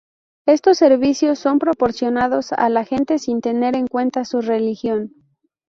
Estos servicios son proporcionados a la gente sin tener en cuenta su religión.